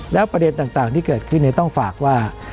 แล้วประเด็นต่างที่เกิดขึ้นต้องฝากว่า